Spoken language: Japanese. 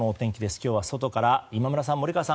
今日は外から今村さん、森川さん